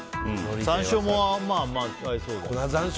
山椒もまあ合いそうだし。